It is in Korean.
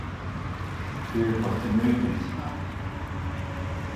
그 버튼을 밀지 마!